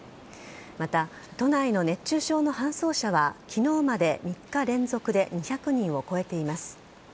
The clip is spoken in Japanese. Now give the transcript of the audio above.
また、都内の熱中症の搬送者は昨日まで３日連続で２００人を超えています。